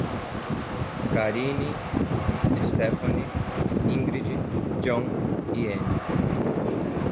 Karine, Estefani, Ingridi, Jhon e Any